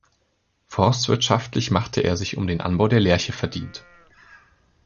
Forstwirtschaftlich machte er sich um den Anbau der Lärche verdient.